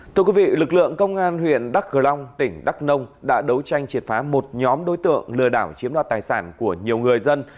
thưa quý vị lực lượng công an huyện đắk cờ long tỉnh đắk nông đã đấu tranh triệt phá một nhóm đối tượng lừa đảo chiếm đoạt tài sản của nhiều người dân